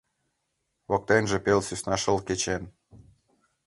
Воктенже пел сӧсна шыл кечен.